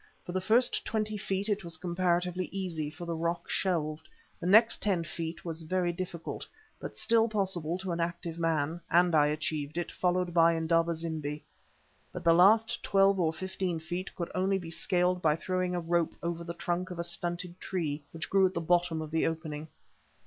For the first twenty feet it was comparatively easy, for the rock shelved; the next ten feet was very difficult, but still possible to an active man, and I achieved it, followed by Indaba zimbi. But the last twelve or fifteen feet could only be scaled by throwing a rope over the trunk of a stunted tree, which grew at the bottom of the opening.